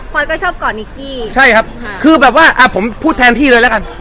พอยก็ชอบกอดนิกกี้ใช่ครับค่ะคือแบบว่าอ่าผมพูดแทนพี่เลยแล้วกัน